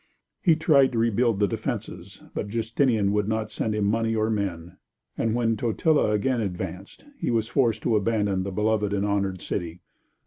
He tried to rebuild the defences, but Justinian would not send him money or men, and when Totila again advanced, he was forced to abandon the beloved and honored city.